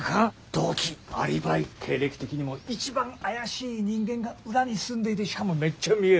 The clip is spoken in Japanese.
動機アリバイ経歴的にも一番怪しい人間が裏に住んでいてしかもめっちゃ見える。